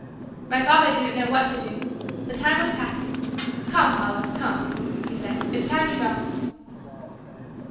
My father didn't know what to do. The time was passing. "Come, Paula, come," he said; "it's time to go."